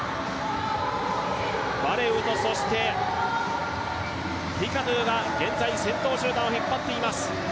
バレウと、そしてフィカドゥが現在、先頭集団を引っ張っています。